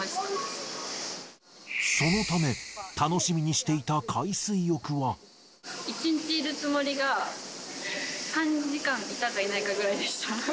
そのため、１日いるつもりが、３時間いたかいないかぐらいでした。